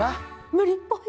無理っぽい。